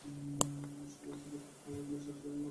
সব পরিস্থিতিতে খাপ খাইয়ে চলার চেষ্টা আপনাকে করতে হবে।